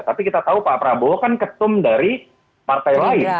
tapi kita tahu pak prabowo kan ketum dari partai lain